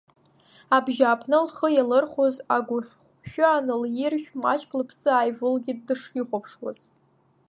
Абжьааԥны лхы иалырхәоз агәыхьхәшәы анылиржә, маҷк лыԥсы ааивылгеит дышихәаԥшуаз.